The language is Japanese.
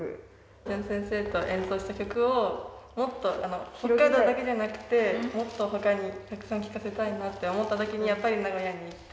淳先生と演奏した曲をもっと北海道だけじゃなくてもっと他にたくさん聴かせたいなって思った時にやっぱり名古屋に行って。